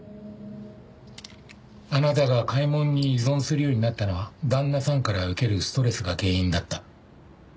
あなたが買い物に依存するようになったのは旦那さんから受けるストレスが原因だった。